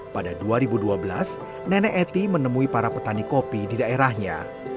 pada dua ribu dua belas nenek eti menemui para petani kopi di daerahnya